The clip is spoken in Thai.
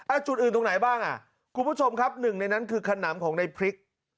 จุดอื่นตรงไหนบ้างอ่ะคุณผู้ชมครับหนึ่งในนั้นคือขนำของในพริก